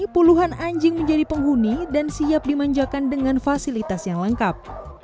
puluhan anjing menjadi penghuni dan siap dimanjakan dengan fasilitas yang lengkap